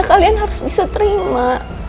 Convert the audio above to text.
kalian harus bisa terima